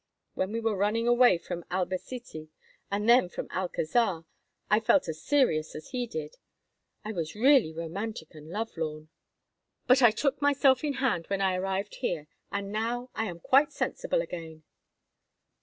When we were running away from Albacete and then from Alcazar, I felt as serious as he did—I was really romantic and love lorn—but I took myself in hand when I arrived here, and now I am quite sensible again."